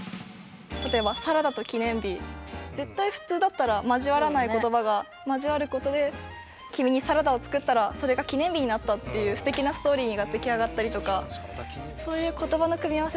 例えば「サラダ」と「記念日」絶対普通だったら交わらない言葉が交わることで君にサラダを作ったらそれが記念日になったっていうすてきなストーリーが出来上がったりとか。